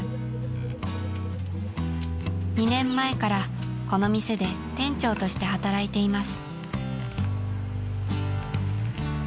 ［２年前からこの店で店長として働いています］